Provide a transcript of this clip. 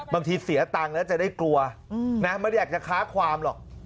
บางทีเสียตังค์แล้วจะได้กลัวนะไม่ได้อยากจะค้าความหรอก